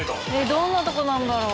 どんなとこなんだろう？